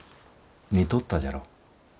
似とったじゃろう。